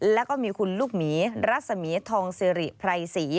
แล้วก็มีคุณลูกหมีรัศมีทองสิริไพรศรี